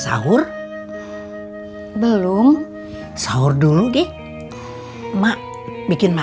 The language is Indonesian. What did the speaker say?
abis llamanya kenapa